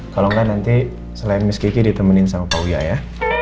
kalau enggak nanti selain mas kiki ditemenin sama pak uya ya